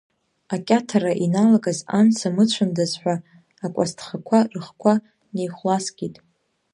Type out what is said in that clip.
Акьаҭара иналагаз амца мыцәандаз ҳәа акәасҭхақәа рыхқәа неихәласкит.